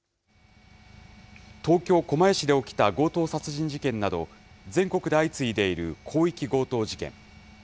東京・狛江市で起きた強盗殺人事件など、全国で相次いでいる広域強盗事件。